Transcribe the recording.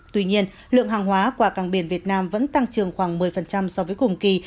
tuy nhiên lượng hàng hóa qua cảng biển việt nam vẫn tăng trường khoảng một mươi so với cùng kỳ